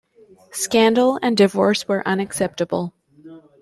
Scandal and divorce were unacceptable.